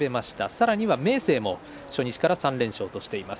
さらには明生も初日から３連勝としています。